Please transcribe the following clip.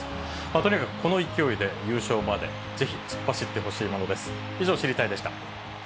とにかくこの勢いで、優勝までぜひ突っ走ってほしいものです。